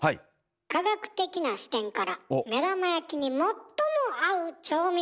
科学的な視点から目玉焼きに最も合う調味料を調べました。